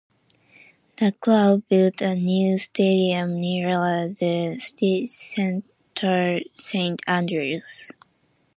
The club built a new stadium nearer the city centre, Saint Andrew's.